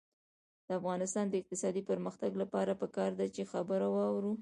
د افغانستان د اقتصادي پرمختګ لپاره پکار ده چې خبره واورو.